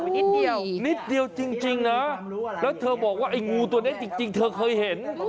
นิดเดียวอีกนิดเดียวจริงนะแล้วเธอบอกว่าไอ้งูตัวนี้จริงเธอเคยเห็น